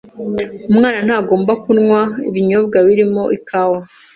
umwana ntagomba kunywa ibinyobwa birimo ikawa